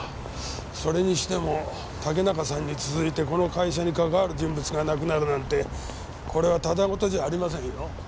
それにしても竹中さんに続いてこの会社にかかわる人物が亡くなるなんてこれはただ事じゃありませんよ。